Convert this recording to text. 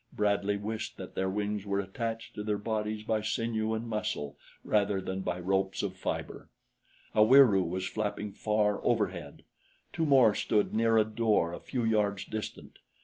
Bradley wished that their wings were attached to their bodies by sinew and muscle rather than by ropes of fiber. A Wieroo was flapping far overhead. Two more stood near a door a few yards distant.